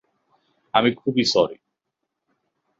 আমি খুবই সরি!